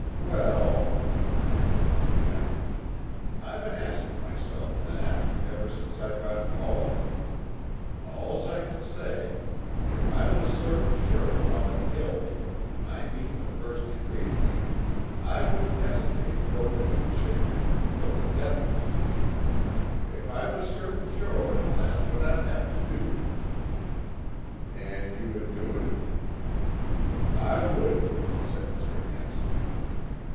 "Well ..." The man was unhappy. "I been asking myself that, ever since I got called. All's I can say, if I was certain sure about the guilt, I mean the first degree thing, I wouldn't hesitate to vote for the ch for the death penalty if I was certain sure, that's what I'd have to do." "And you would do it?" "I would," said Mr. Anson.